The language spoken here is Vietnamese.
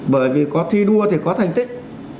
bởi vì có thi đua thì có thành tích